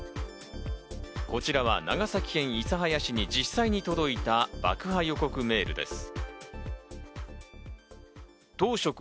こちらは長崎県諫早市に実際に届いた爆破予告メールです。